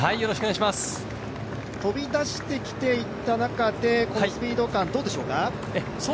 飛び出してきていった中で、スピード感どうでしょうか？